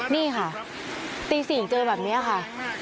นี่ค่ะตี๔เจอแบบนี้ค่ะ